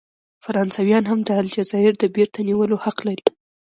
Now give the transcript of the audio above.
فرانسویان هم د الجزایر د بیرته نیولو حق لري.